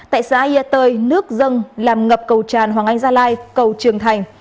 tại xã yà tơi nước dâng làm ngập cầu tràn hoàng anh gia lai cầu trường thành